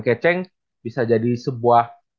keceng bisa jadi sebuah